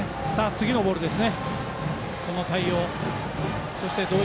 次のボールです。